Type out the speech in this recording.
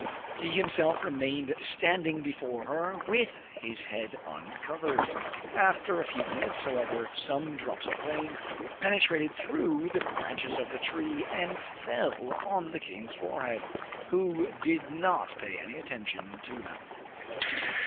He himself remained standing before her with his head uncovered. After a few minutes, however, some drops of rain penetrated through the branches of the tree and fell on the king's forehead, who did not pay any attention to them.